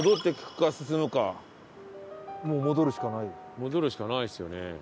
戻るしかないですよね。